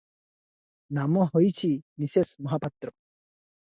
ନାମ ହୋଇଛି, ମିସେସ୍ ମହାପାତ୍ର ।